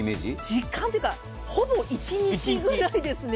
時間というか、ほぼ一日ぐらいですね。